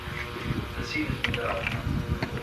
The seat is Nouvelle.